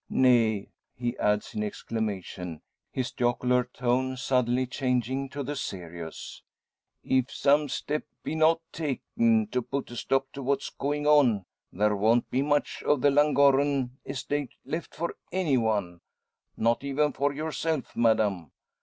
Nay!" he adds in exclamation, his jocular tone suddenly changing to the serious, "if some step be not taken to put a stop to what's going on, there won't be much of the Llangorren estate left for any one not even for yourself, madame.